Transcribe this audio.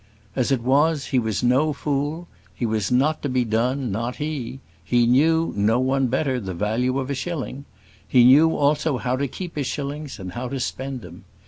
As it was, he was no fool: he was not to be done, not he; he knew, no one better, the value of a shilling; he knew, also, how to keep his shillings, and how to spend them.